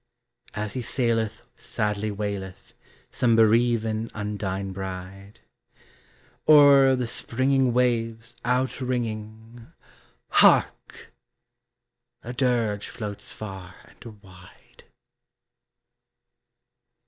As he saileth sadly waileth Some bereaven undine bride. O'er the springing waves outringing, Hark! a dirge floats far and wide.